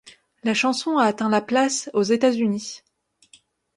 La chanson a atteint la place aux États-Unis.